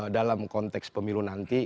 dalam konteks pemilu nanti